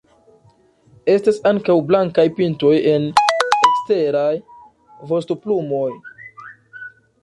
Estas ankaŭ blankaj pintoj en eksteraj vostoplumoj.